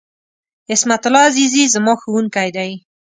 عصمت الله عزیزي ، زما ښوونکی دی.